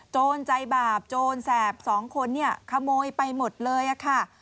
โจรใจบาปโจรแสบสองคนเนี่ยขโมยไปหมดเลยค่ะ